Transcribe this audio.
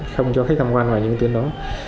không cho khách thăm quan vào những tuyến đó